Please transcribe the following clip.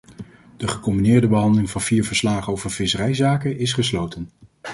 De gecombineerde behandeling van vier verslagen over visserijzaken is gesloten.